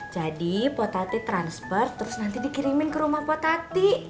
jadi po tati transfer terus nanti dikirimin ke rumah po tati